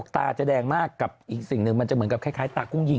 ตาจะแดงมากกับอีกสิ่งหนึ่งมันจะเหมือนกับคล้ายตากุ้งยิง